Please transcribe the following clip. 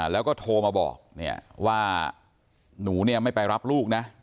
แล้วก็โทรมาบอกว่าหนูเนี่ยไม่ไปรับลูกนะ